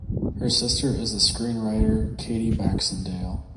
Her sister is the screenwriter Katie Baxendale.